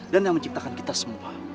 yang menciptakan kita semua